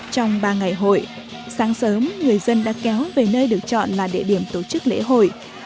trong ba ngày hội sáng sớm người dân đã kéo về nơi được chọn là địa điểm tổ chức lễ hội